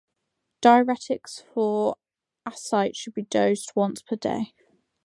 Diuretics for ascites should be dosed once per day.